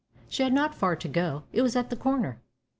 She had not far to go. It was at the corner.